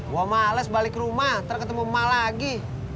gue males balik rumah ntar ketemu mah lagi